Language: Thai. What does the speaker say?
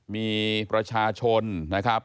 มีประชาชนนะครับ